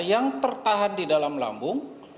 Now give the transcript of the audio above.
yang tertahan di dalam lambung